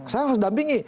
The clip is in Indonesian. saya harus dampingi